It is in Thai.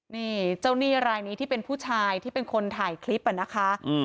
นี่เจ้าหนี้รายนี้ที่เป็นผู้ชายที่เป็นคนถ่ายคลิปอะนะคะ